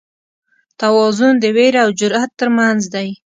توازن د وېرې او جرئت تر منځ دی.